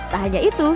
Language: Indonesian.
tak hanya itu